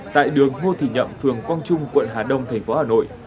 tại đường ngô thị nhậm phường quang trung quận hà đông thành phố hà nội